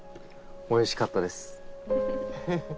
おいしかったですフフフ。